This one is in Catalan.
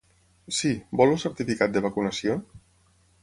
Sí, vol el certificat de vacunació?